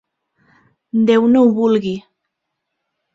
Déu no ho vulgui!